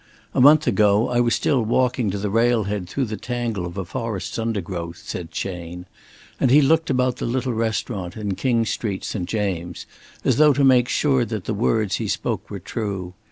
A month ago I was still walking to the rail head through the tangle of a forest's undergrowth," said Chayne, and he looked about the little restaurant in King Street, St. James', as though to make sure that the words he spoke were true.